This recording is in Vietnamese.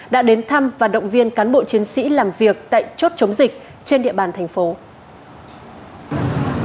đã đến thăm và động viên cán bộ chiến sĩ làm việc tại chốt chống dịch trên địa bàn thành phố